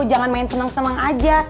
jangan main senang senang aja